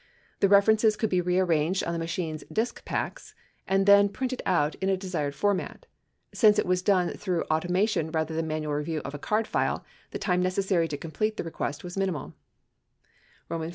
The references could be rearranged on the machine's "disk packs" and then printed out in a desired format. Since it was done through automation rather than manual review of a card file, the time necessary to complete the request was minimal.